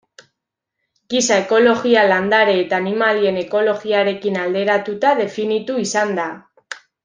Giza ekologia landare eta animalien ekologiarekin alderatuta definitu izan da.